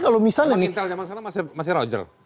kalau misalnya masa masa masih rojer